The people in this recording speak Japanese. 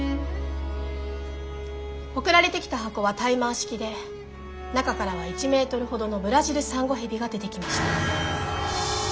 送られてきた箱はタイマー式で中からは１ｍほどのブラジルサンゴヘビが出てきました。